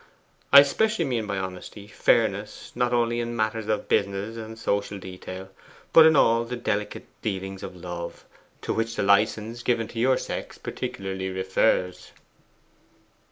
I specially mean by honesty, fairness not only in matters of business and social detail, but in all the delicate dealings of love, to which the licence given to your sex particularly refers.